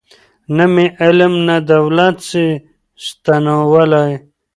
نه مي علم نه دولت سي ستنولای